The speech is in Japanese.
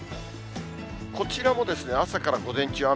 こちらも朝から午前中、雨。